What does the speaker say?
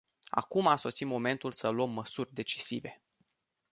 Acum a sosit momentul să luăm măsuri decisive.